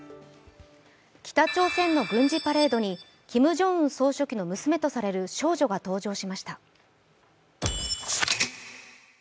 北朝鮮の軍事パレードにキム・ジョンウン総書記の娘とみられる少女が登場しました。